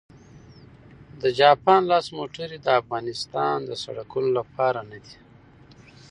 د جاپان لاس موټرې د افغانستان د سړکونو لپاره نه دي